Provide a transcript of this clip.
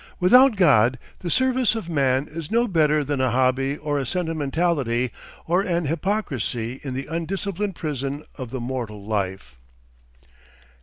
Without God, the "Service of Man" is no better than a hobby or a sentimentality or an hypocrisy in the undisciplined prison of the mortal life.